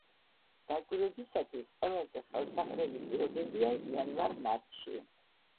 დაკვირვებისათვის ყველაზე ხელსაყრელი პირობებია იანვარ-მარტში.